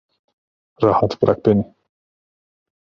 Rahat bırak beni.